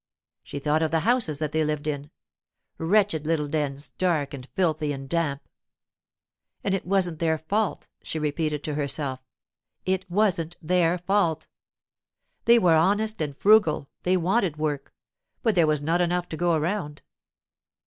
She thought of the houses that they lived in—wretched little dens, dark and filthy and damp. And it wasn't their fault, she repeated to herself; it wasn't their fault. They were honest and frugal, they wanted work; but there was not enough to go around.